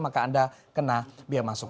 maka anda kena biaya masuk